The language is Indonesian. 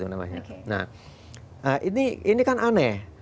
nah ini kan aneh